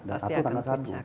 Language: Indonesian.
dan satu tanggal satu